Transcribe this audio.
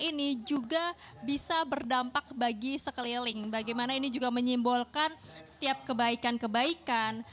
ini juga bisa berdampak bagi sekeliling bagaimana ini juga menyimbolkan setiap kebaikan kebaikan